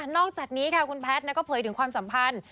อกจากนี้ค่ะคุณแพทย์ก็เผยถึงความสัมพันธ์